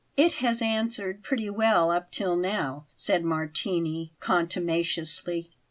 "It has answered pretty well up till now," said Martini contumaciously.